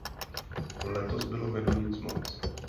Letos bylo medu nic moc.